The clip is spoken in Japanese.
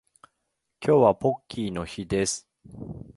今日はポッキーの日です